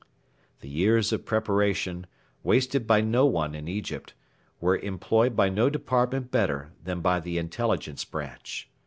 The years of preparation, wasted by no one in Egypt, were employed by no department better than by the Intelligence Branch.